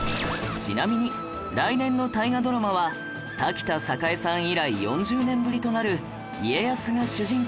ちなみに来年の大河ドラマは滝田栄さん以来４０年ぶりとなる家康が主人公のお話